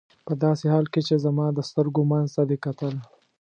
په داسې حال کې چې زما د سترګو منځ ته دې کتل.